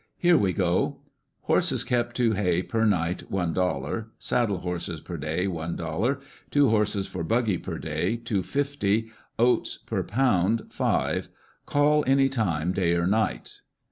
" Here we go ! Horses kept to hay per night .. SI 00 Saddle horses per day .... 1 00 Two horses for buggy per day •. 250 Oats per pound 5 Call any time, day or night!"